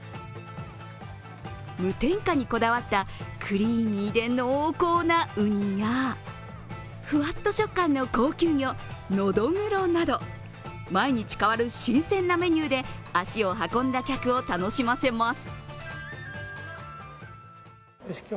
無添加にこだわったクリーミーで濃厚なうにやふわっと食感の高級魚、のどぐろなど毎日変わる新鮮なメニューで足を運んだ客を楽しませます。